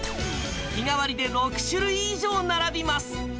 日替わりで６種類以上並びます。